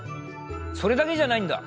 それだけじゃないんだ。